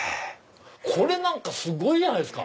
これすごいじゃないですか。